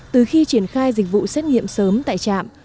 từ khi triển khai dịch vụ xét nghiệm sớm tại trạm